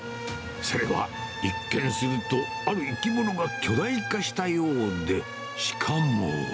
それは一見すると、ある生き物が巨大化したようで、しかも。